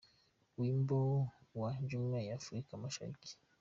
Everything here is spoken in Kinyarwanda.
Wimbo wa Jumuiya ya Afrika Mashariki